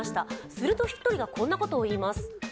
すると１人がこんなことを言います。